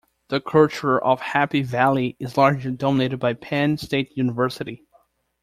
The culture of Happy Valley is largely dominated by Penn State University.